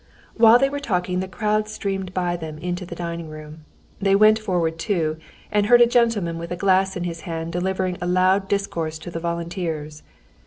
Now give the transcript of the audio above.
While they were talking the crowd streamed by them into the dining room. They went forward too, and heard a gentleman with a glass in his hand delivering a loud discourse to the volunteers.